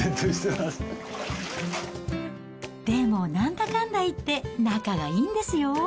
でもなんだかんだ言って仲がいいんですよ。